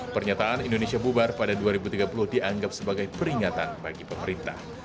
pernyataan indonesia bubar pada dua ribu tiga puluh dianggap sebagai peringatan bagi pemerintah